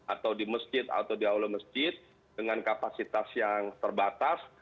atau di masjid atau di aula masjid dengan kapasitas yang terbatas